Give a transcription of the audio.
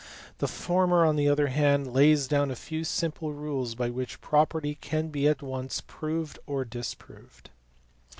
The former on the other hand lays down a few simple rules by which any property can be at once proved or disproved.